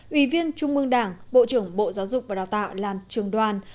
ủy viên trung mương đảng bộ trưởng bộ giáo dục và đào tạo làm trường đoàn